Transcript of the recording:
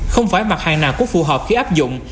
không phải mặt hàng nào cũng phù hợp khi áp dụng